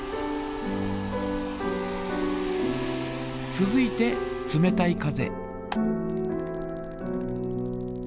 続いて冷たい風。